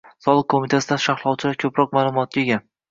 Soliq qo'mitasida sharhlovchilar ko'proq ma'lumotga ega